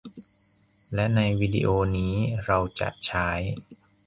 และในวิดีโอนี้ เราจะใช้